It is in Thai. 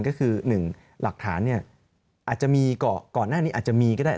ก็คือ๑หลักฐานอาจจะมีก่อนหน้านี้อาจจะมีก็ได้